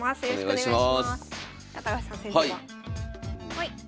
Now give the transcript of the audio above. はい。